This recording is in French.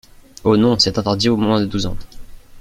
Ho non, c'est interdit aux moins de douze ans.